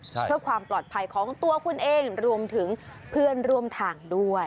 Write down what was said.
เพื่อความปลอดภัยของตัวคุณเองรวมถึงเพื่อนร่วมทางด้วย